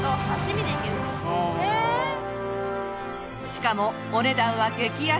しかもお値段は激安！